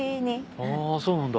はぁそうなんだ。